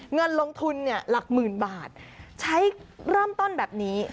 เงินลงทุนหลักหมื่นบาทใช้เริ่มต้นแบบนี้